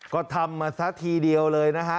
ก็ทำมาซะทีเดียวเลยนะฮะ